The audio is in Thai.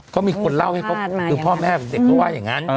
เขามีคนเล่าให้พ่อแม่เด็กเขาว่าอย่างนั้น